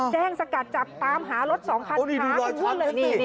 แจ้งสกัดจับตามหารถ๒๐๐๐ค้ามันวุ่งเลยนี่